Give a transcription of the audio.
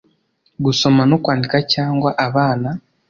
Gusoma No Kwandika Cyangwa Abana